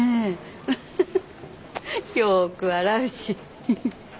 フフフよく笑うし。